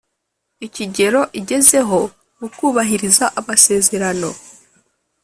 Ikigero igezeho mu kubahiriza amasezerano